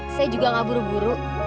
saya juga gak buru buru